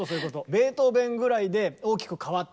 ベートーベンぐらいで大きく変わった。